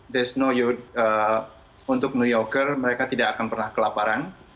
there's no yoke untuk new yorker mereka tidak akan pernah kelaparan